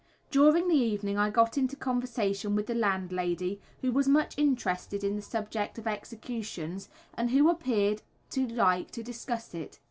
During the evening I got into conversation with the landlady, who was much interested in the subject of executions, and who appeared to like to discuss it.